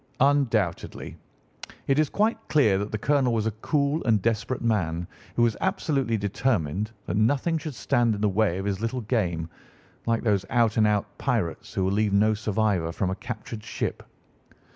"Undoubtedly. It is quite clear that the colonel was a cool and desperate man, who was absolutely determined that nothing should stand in the way of his little game, like those out and out pirates who will leave no survivor from a captured ship.